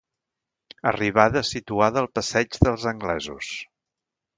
Arribada situada al Passeig dels Anglesos.